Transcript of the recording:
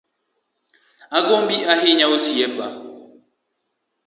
Agombi ahinya osiepa